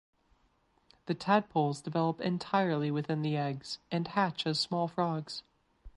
The tadpoles develop entirely within the eggs and hatch as small frogs.